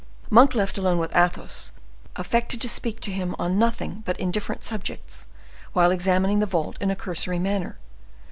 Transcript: Monk, left alone with Athos, affected to speak to him on nothing but indifferent subjects while examining the vault in a cursory manner.